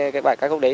cái bài ca khúc đấy